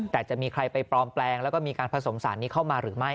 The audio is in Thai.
แต่จะมีใครไปปลอมแปลงแล้วก็มีการผสมสารนี้เข้ามาหรือไม่